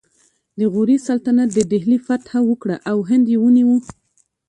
د غوري سلطنت د دهلي فتحه وکړه او هند یې ونیو